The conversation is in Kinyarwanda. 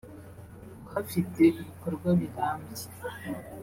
uhafite ibikorwa birambye